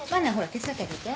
手伝ってあげて。